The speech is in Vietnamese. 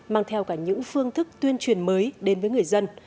mang theo cả những phương thức tuyên truyền mới đến với người dân